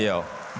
tidak ada masalah